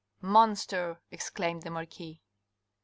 " Monster," exclaimed the marquis.